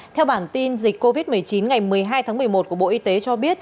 theo bản tin dịch covid một mươi chín ngày một mươi hai tháng một mươi một của bộ y tế cho biết